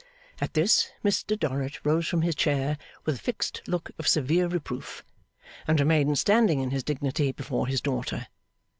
At this, Mr Dorrit rose from his chair with a fixed look of severe reproof, and remained standing in his dignity before his daughter.